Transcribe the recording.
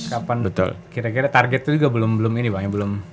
kira kira target itu juga belum ini bang ya